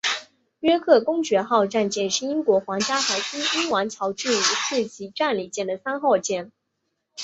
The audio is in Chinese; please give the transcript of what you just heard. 约克公爵号战舰是英国皇家海军英王乔治五世级战列舰的三号舰。